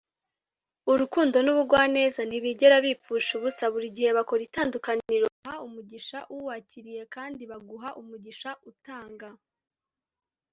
urukundo n'ubugwaneza ntibigera bipfusha ubusa. buri gihe bakora itandukaniro. baha umugisha uwakiriye, kandi baguha umugisha, utanga